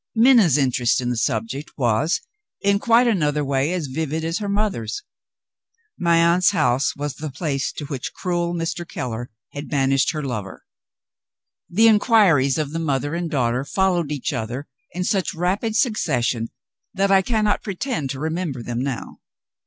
Minna's interest in the subject was, in quite another way, as vivid as her mother's. My aunt's house was the place to which cruel Mr. Keller had banished her lover. The inquiries of the mother and daughter followed each other in such rapid succession that I cannot pretend to remember them now.